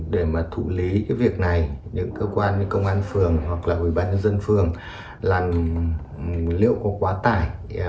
để mà thụ lý cái việc này những cơ quan như công an phường hoặc là ủy ban nhân dân phường là liệu có quá tải